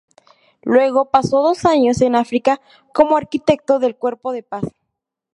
Luego pasó dos años en África como Arquitecto del Cuerpo de Paz.